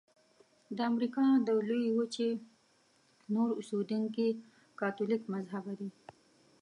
د امریکا د لویې وچې نور اوسیدونکي کاتولیک مذهبه دي.